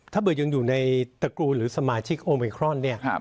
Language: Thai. ถ้าเบิกยังอยู่ในตระกูลหรือสมาชิกโอเมครอนเนี่ย